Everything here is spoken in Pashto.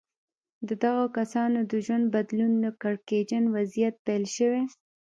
د دغو کسانو د ژوند بدلون له کړکېچن وضعيت پيل شوی.